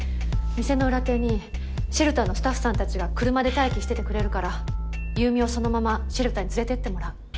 店の裏手にシェルターのスタッフさんたちが車で待機しててくれるから優美をそのままシェルターに連れていってもらう。